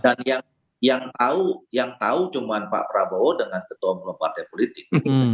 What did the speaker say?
dan yang tahu cuma pak prabowo dengan ketua umum partai politik